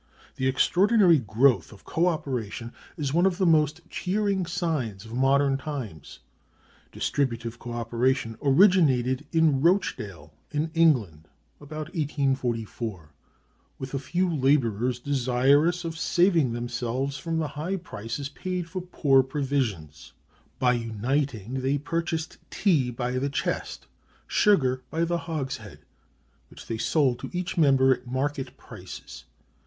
The extraordinary growth of co operation is one of the most cheering signs of modern times. Distributive co operation originated in Rochdale, in England, about 1844, with a few laborers desirous of saving themselves from the high prices paid for poor provisions. By uniting, they purchased tea by the chest, sugar by the hogshead, which they sold to each member at market prices.